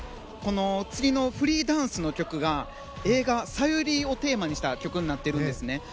この次のフリーダンスの曲が映画「ＳＡＹＵＲＩ」をテーマにした曲になっているんですね。